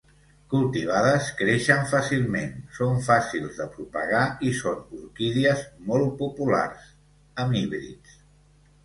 Cultivades, creixen fàcilment; són fàcils de propagar i són orquídies molt populars, amb híbrids.